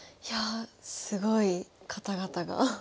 いやあすごい方々が。